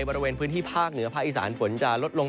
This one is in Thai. บริเวณพื้นที่ภาคเหนือภาคอีสานฝนจะลดลง